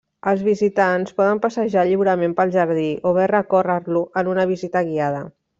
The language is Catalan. Els visitants poden passejar lliurement pel jardí o bé recórrer-lo en una visita guiada.